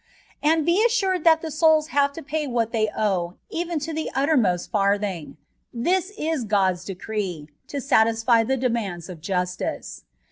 And be assured that the souls bave to pay what they owe even to the uttermost farthing : this is God's decree, to satiafy the demands of justice.